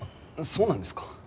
そうなんですか？